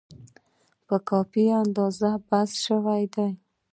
په کافي اندازه بحث شوی دی.